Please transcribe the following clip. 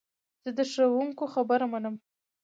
زه د ښوونکو خبره منم.